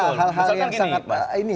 oh ya betul misalkan gini